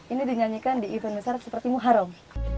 ini dinyanyikan di event besar seperti muharam